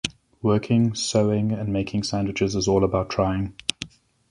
Working, sewing and making sandwiches is all about trying.